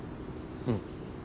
うん。